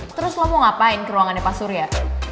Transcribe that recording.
terus lo mau ngapain ke ruangannya pasurya